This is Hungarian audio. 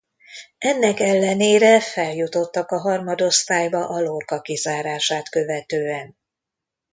Ennek ellenére feljutottak a harmadosztályba a Lorca kizárását követően.